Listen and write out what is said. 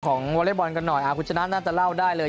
วอเล็กบอลกันหน่อยคุณชนะน่าจะเล่าได้เลย